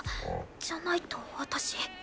じゃないと私。